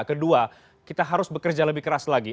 kedua kita harus bekerja lebih keras lagi